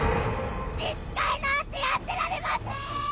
自治会なんてやってられませーん！